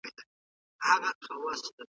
پوهان د تاریخي جریاناتو په اړه بحثونه کوي.